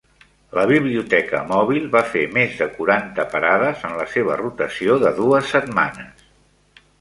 La biblioteca mòbil va fer més de quaranta parades en la seva rotació de dues setmanes.